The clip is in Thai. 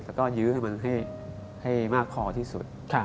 แล้วก็ยื้อให้มันให้มากพอที่สุด